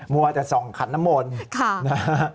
มัวแต่๒ขันน้ำมนต์